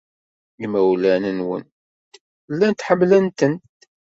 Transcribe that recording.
Imawlan-nwent llan ḥemmlen-tent.